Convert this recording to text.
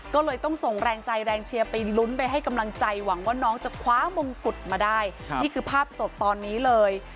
ก็เลยต้องส่งแรงใจแรงเชียร์ไปลุ้นไปให้กำลังใจหวังว่าน้องจะคว้ามงกุฎมาได้นี่คือภาพสดตอนนี้เลย